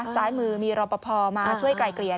ซ้ายมือมีรอปภมาช่วยไกลเกลี่ย